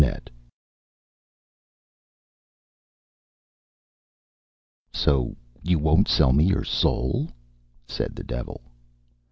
New York. "So you won't sell me your soul?" said the devil.